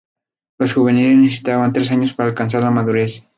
Los juveniles necesitan tres años para alcanzar la madurez.